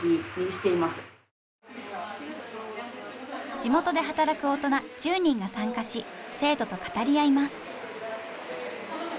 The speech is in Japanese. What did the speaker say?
地元で働く大人１０人が参加し生徒と語り合います。